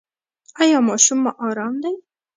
ایا ماشوم مو ارام دی؟